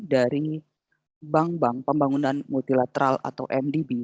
dari bank bank pembangunan multilateral atau mdb